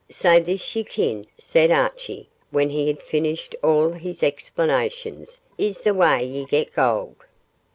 'Sae this, ye ken,' said Archie, when he had finished all his explanations, 'is the way ye get gold.